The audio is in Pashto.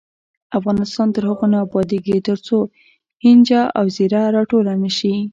افغانستان تر هغو نه ابادیږي، ترڅو هینجه او زیره راټوله نشي.